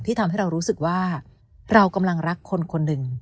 ทำให้เรารู้สึกว่าเรากำลังรักคนคนหนึ่ง